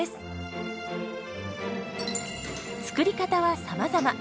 作り方はさまざま。